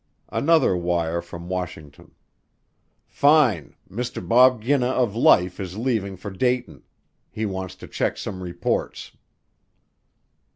Another wire from Washington: Fine, Mr. Bob Ginna of Life is leaving for Dayton. He wants to check some reports.